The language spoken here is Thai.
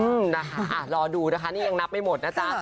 อืมนะคะอ่ะรอดูนะคะนี่ยังนับไม่หมดนะจ๊ะ